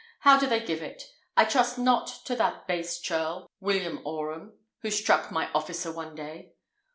"How do they give it? I trust not to that base churl, William Orham, who struck my officer one day."